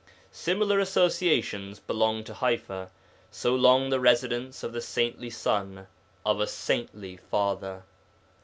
Similar associations belong to Ḥaifa, so long the residence of the saintly son of a saintly father.